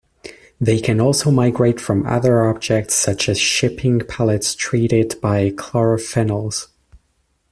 They can also migrate from other objects such as shipping pallets treated by chlorophenols.